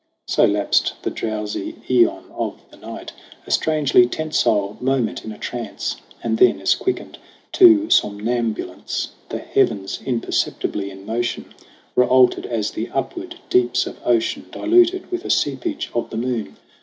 So lapsed the drowsy aeon of the night A strangely tensile moment in a trance. And then, as quickened to somnambulance, The heavens, imperceptibly in motion, Were altered as the upward deeps of ocean Diluted with a seepage of the moon.